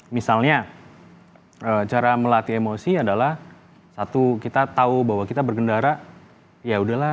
misalnya cara melatih emosi adalah satu kita tahu bahwa kita bergendara ya udahlah